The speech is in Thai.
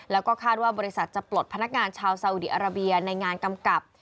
แล้วก็คาดว่าบริษัทจะปลดพนักงานชาวซาอุดีอาราเบียในงานกำกับ